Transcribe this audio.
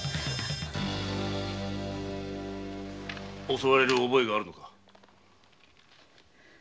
襲われる覚えがあるのか？